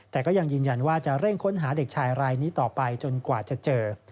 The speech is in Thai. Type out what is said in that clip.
แต่ก็ยังยืนยันว่าจะเร่งค้นหาเด็กชายรายนี้ต่อไปจนกว่าจะเจอ